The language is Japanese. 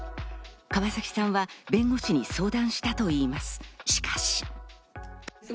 川崎さんは弁護士に相談したといいます。